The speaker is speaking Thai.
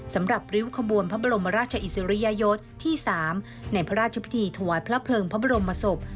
ริ้วขบวนพระบรมราชอิสริยยศที่๓ในพระราชพิธีถวายพระเพลิงพระบรมศพ